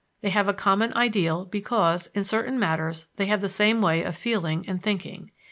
They have a common ideal because, in certain matters, they have the same way of feeling and thinking.